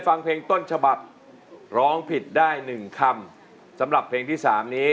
ที่นี่ไม่มีใจรักใครหนอจะร่วมทางได้